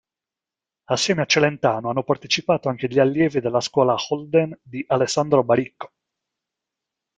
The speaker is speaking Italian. Assieme a Celentano hanno partecipato anche gli allievi della scuola Holden di Alessandro Baricco.